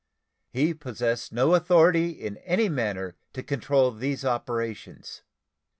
He possessed no authority in any manner to control these operations.